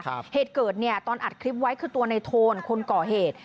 เหตุเกิดเนี่ยตอนอัดคลิปไว้คือตัวในโทนคนก่อเหตุ